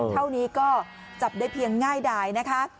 เท่านี้ก็จับได้เพียงง่ายดายนะคะ